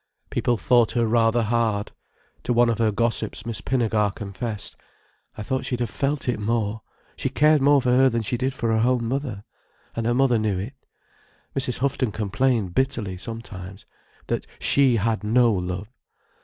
People thought her rather hard. To one of her gossips Miss Pinnegar confessed: "I thought she'd have felt it more. She cared more for her than she did for her own mother—and her mother knew it. Mrs. Houghton complained bitterly, sometimes, that she had no love.